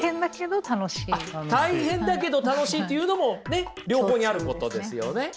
大変だけど楽しいっていうのも両方にあることですよね。